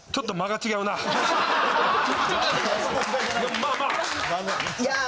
まあまあ。